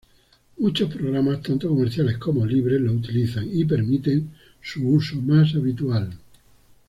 Muchos programas, tanto comerciales como libres, lo utilizan y permiten su uso más habitual.